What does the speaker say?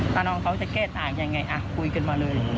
แล้วน้องเขาจะแก้ต่างยังไงคุยกันมาเลย